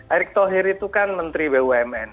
erick thohir itu kan menteri bumn